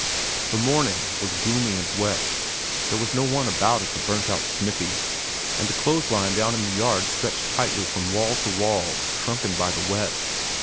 The morning was gloomy and wet; there was no one about at the burnt out smithy, and the clothesline down in the yard stretched tightly from wall to wall shrunken by the wet.